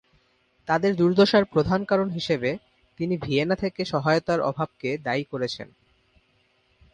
তাদের দুর্দশার প্রধান কারণ হিসেবে তিনি ভিয়েনা থেকে সহায়তার অভাবকে দায়ী করেছেন।